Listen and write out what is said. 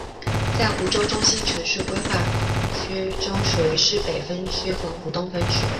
在湖州中心城市规划区中属于市北分区和湖东分区。